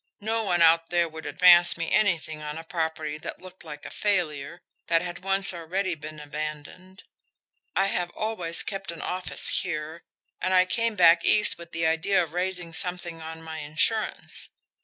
No one out there would advance me anything on a property that looked like a failure, that had once already been abandoned. I have always kept an office here, and I came back East with the idea of raising something on my insurance.